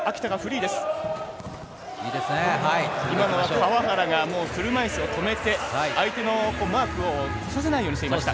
今のは川原が車いすを止めて相手のマークを来させないようにしていました。